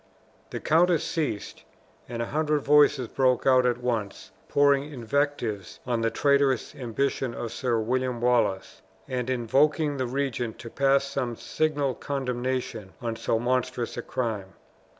The countess ceased; and a hundred voices broke out at once, pouring invectives on the traitorous ambition of Sir William Wallace, and invoking the regent to pass some signal condemnation on so monstrous a crime.